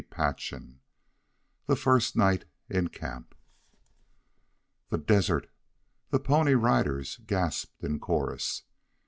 CHAPTER II THE FIRST NIGHT IN CAMP "The desert?" the Pony Riders gasped in chorus.